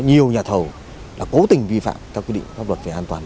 có thể nói là có nhiều nhà thầu là cố tình vi phạm các quy định pháp luật về an toàn